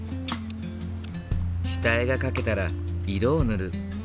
下絵が描けたら色を塗る。